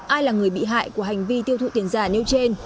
ai là người bị hại của hành vi tiêu thụ tiền giả nêu trên